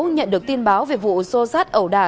nhận được tin báo về vụ xô sát ẩu đà